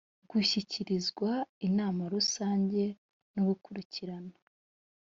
gushyikirizwa inama rusange no gukurikirana